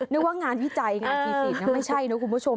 นึกว่างานที่ใจงานที่สิทธิ์ไม่ใช่นะคุณผู้ชม